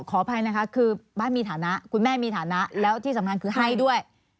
ขออภัยนะคะคือบ้านมีฐานะคุณแม่มีฐานะแล้วที่สำคัญคือให้ด้วย